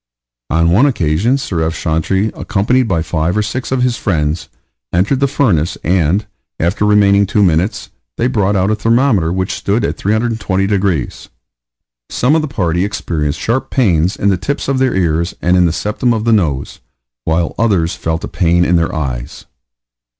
On one occasion Sir F. Chantrey, accompanied by five or six of his friends, entered the furnace, and, after remaining two minutes, they brought out a thermometer which stood at 320 degrees. Some of the party experienced sharp pains in the tips of their ears, and in the septum of the nose, while others felt a pain in their eyes.